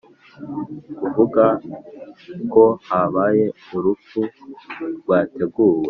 kuvuga ko habaye urupfu rwateguwe